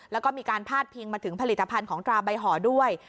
แล้วก็มีการพาดพิงมาถึงผลิตภัณฑ์ของตราใบห่อด้วย